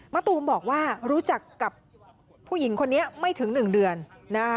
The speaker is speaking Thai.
ตูมบอกว่ารู้จักกับผู้หญิงคนนี้ไม่ถึง๑เดือนนะคะ